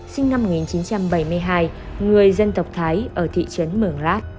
sinh năm một nghìn chín trăm bảy mươi hai người dân tộc thái ở thị trấn mường lát